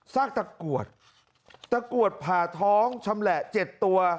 ซากตะกรวดตะกรวดผ่าท้องชำแหละ๗ตัว